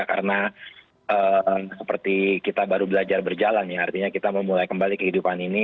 karena seperti kita baru belajar berjalan artinya kita memulai kembali kehidupan ini